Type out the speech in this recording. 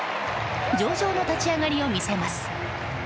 上々の立ち上がりを見せます。